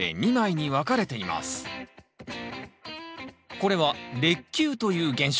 これは裂球という現象。